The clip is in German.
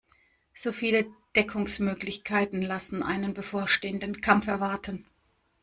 So viele Deckungsmöglichkeiten lassen einen bevorstehenden Kampf erwarten.